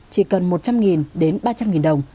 chỉ cần một trăm linh đến ba trăm linh đồng